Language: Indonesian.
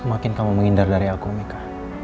semakin kamu mengindar dari aku mika